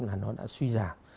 là nó đã suy giảm